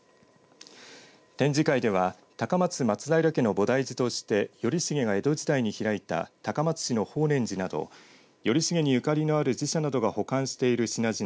展示会では高松松平家の菩提寺として頼重が江戸時代に開いた高松市の法然寺など頼重にゆかりのある寺社などが保管している品々